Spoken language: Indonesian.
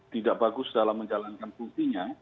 tidak bagus dalam menjalankan fungsinya